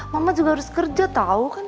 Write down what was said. mama juga harus kerja tahu kan